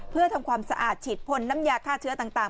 เพื่อทำความสะอาดฉีดพลน้ำยาฆ่าเชื้อต่าง